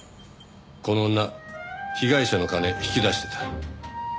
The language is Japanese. この女被害者の金引き出してた。